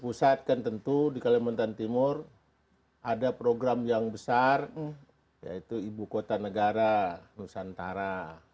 pusat kan tentu di kalimantan timur ada program yang besar yaitu ibu kota negara nusantara